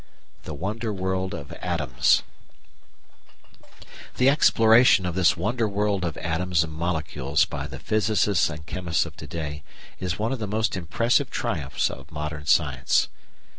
§ 2 The Wonder World of Atoms The exploration of this wonder world of atoms and molecules by the physicists and chemists of to day is one of the most impressive triumphs of modern science.